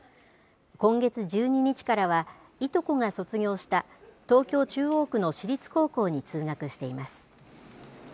今月１２日からはいとこが卒業した、東京・中央区の私立高校に通学しています。